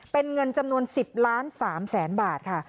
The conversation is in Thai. เป็นเงินจำนวน๑๐ล้าน๓แสนบาทค่ะ